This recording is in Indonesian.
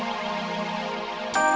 ini makasih bekerja lagi